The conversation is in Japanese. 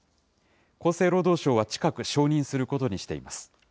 厚生労働省は近く承認することにしています。